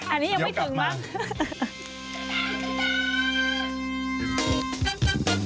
อันนี้ยังป้องยังไม่ถึงมั้ง